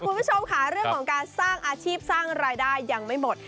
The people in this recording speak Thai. คุณผู้ชมค่ะเรื่องของการสร้างอาชีพสร้างรายได้ยังไม่หมด